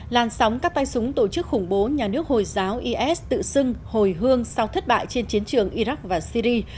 làn sóng các tay súng tổ chức khủng bố nhà nước hồi giáo is tự xưng hồi hương sau thất bại trên chiến trường iraq và syri